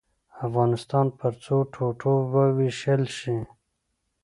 افغانستان پر څو ټوټو ووېشل شي.